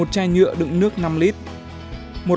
một chai nhựa đựng nước năm lít